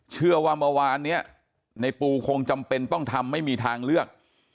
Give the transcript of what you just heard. เชื่อว่าเมื่อวานนี้ในปูคงจำเป็นต้องทำไม่มีทางเลือก